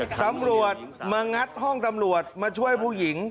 ตำรวจมางัดห้องตำรวจมาช่วยผู้หญิง